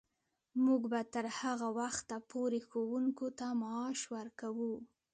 موږ به تر هغه وخته پورې ښوونکو ته معاش ورکوو.